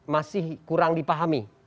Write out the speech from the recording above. masih kurang dipahami